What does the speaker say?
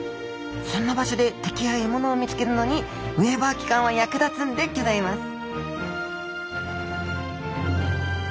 そんな場所で敵や獲物を見つけるのにウェーバー器官は役立つんでギョざいます